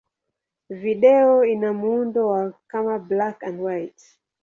Video ina muundo wa kama black-and-white.